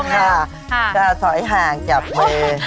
ค่ะเขาสอยห่างกับกิน